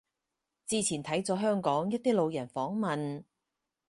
之前睇咗香港一啲路人訪問